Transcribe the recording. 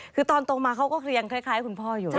คือตอนตรงมาเขาก็เคลียงคล้ายคุณพ่ออยู่